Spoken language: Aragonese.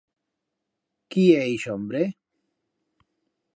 Quí é ixe hombre?